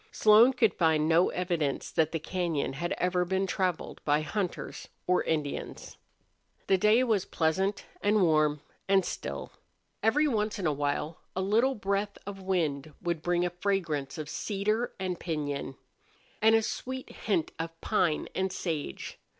Slone could find no evidence that the cañon had ever been traveled by hunters or Indians. The day was pleasant and warm and still. Every once in a while a little breath of wind would bring a fragrance of cedar and piñon, and a sweet hint of pine and sage.